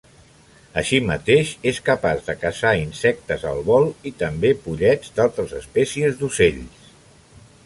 Així mateix, és capaç de caçar insectes al vol i també pollets d'altres espècies d'ocells.